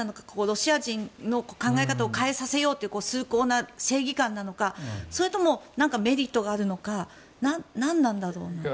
ロシア人の考え方を変えさせようという崇高な正義感なのかそれとも何かメリットがあるのか何なんだろうという。